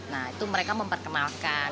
nah itu mereka memperkenalkan